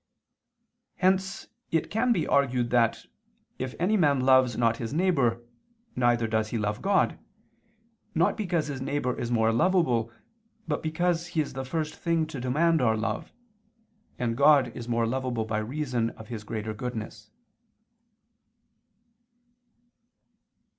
Hence it can be argued that, if any man loves not his neighbor, neither does he love God, not because his neighbor is more lovable, but because he is the first thing to demand our love: and God is more lovable by reason of His greater goodness.